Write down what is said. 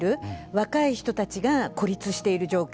若い人たちが孤立している状況